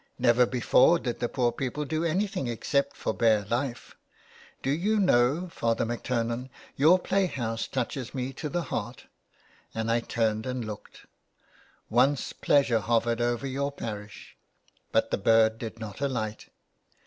Never before did the poor people do anything, except for bare life. Do you know. Father McTurnan, your play house touches me to the heart? " and I turned and looked. " Once pleasure hovered over your parish, but the bird did not alight